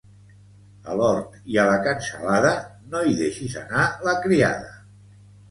A l'hort i a la cansalada, no hi deixis anar la criada.